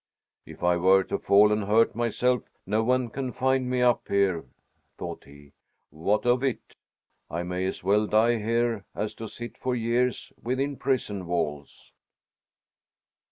"If I were to fall and hurt myself, no one can find me up here," thought he. "What of it? I may as well die here as to sit for years within prison walls."